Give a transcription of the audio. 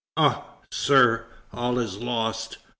"Ah! sir, all is lost!"